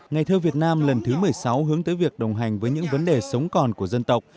ngày thơ việt nam lần thứ một mươi sáu hướng tới việc đồng hành với những vấn đề sống còn của dân tộc